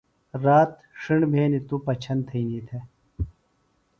رات ڇِھݨ بھینیۡ توۡ پچھن تھئینی تھےۡ۔